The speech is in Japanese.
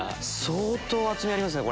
相当厚みありますね。